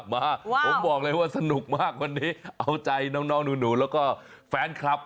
มาผมบอกเลยว่าสนุกมากวันนี้เอาใจน้องหนูแล้วก็แฟนคลับ